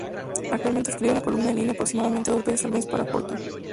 Actualmente escribe una columna en línea aproximadamente dos veces al mes para "Fortune".